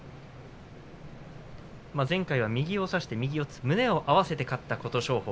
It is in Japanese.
前回は右を差して胸を合わせて勝った琴勝峰。